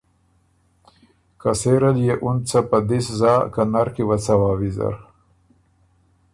که سېره ليې اُن څه په دِس زا که نر کی وه څوا ویزر۔